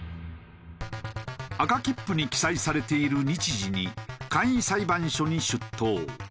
赤切符に記載されている日時に簡易裁判所に出頭。